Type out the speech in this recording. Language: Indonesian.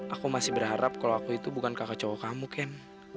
aku masih berharap kalau aku itu bukan kakak cowok kamu ken